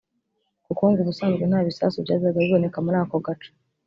kuko ngo ubusanzwe nta bisasu byajyaga biboneka muri ako gace